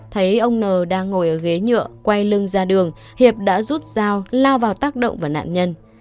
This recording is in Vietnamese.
thấy ông n đang ngồi ở ghế nhựa quay lưng ra đường hiệp đã rút dao lao vào tác động vào nạn nhân